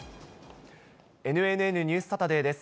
ＮＮＮニュースサタデーです。